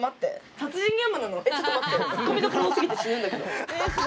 ツッコミどころ多すぎて死ぬんだけど。